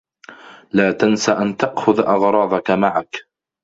لا تنس أن تأخذ أغراضك معك.